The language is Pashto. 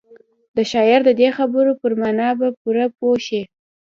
د شاعر د دې خبرو پر مانا به پوره پوه شئ.